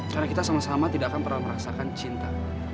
karena kita sama sama tidak akan pernah merasakan cinta